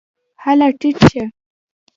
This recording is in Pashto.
هله ټیټ شه !